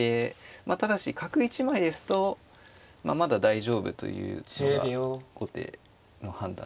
まあただし角１枚ですとまだ大丈夫というのが後手の判断ですね。